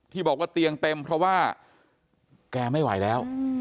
บอกว่าเตียงเต็มเพราะว่าแกไม่ไหวแล้ว